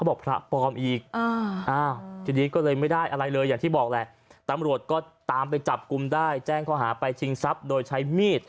ใบไหนสร้อยไม่ได้ล่ะเอาพระไปให้